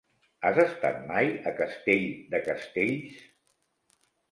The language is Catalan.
Has estat mai a Castell de Castells?